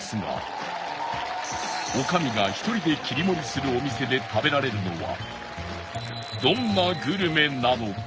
女将が１人で切り盛りするお店で食べられるのはどんなグルメなのか？